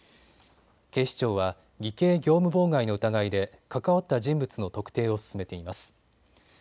警視庁は偽計業務妨害の疑いで関わった人物の特定を進めています。